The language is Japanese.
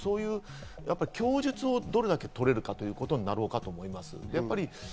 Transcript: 供述をどれだけ取れるかということになろうかと思います。